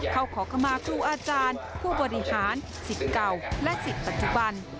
ขอขมาครูอาจารย์ผู้บริหารสิทธิ์เก่าและสิทธิ์ปัจจุบัน